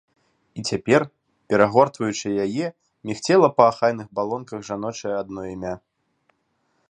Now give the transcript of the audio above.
І цяпер, перагортваючы яе, мігцела па ахайных балонках жаночае адно імя.